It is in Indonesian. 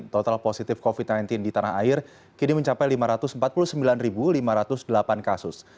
total positif covid sembilan belas di tanah air kini mencapai lima ratus empat puluh sembilan lima ratus delapan kasus